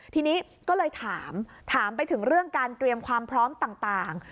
ทีนี้ก็เลยถามถามไปถึงเรื่องการเตรียมความพร้อมต่าง